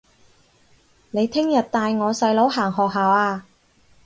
你聽日帶我細佬行學校吖